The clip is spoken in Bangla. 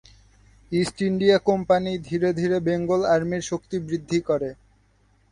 ইস্ট ইন্ডিয়া কোম্পানি ধীরে ধীরে বেঙ্গল আর্মির শক্তিবৃদ্ধি করে।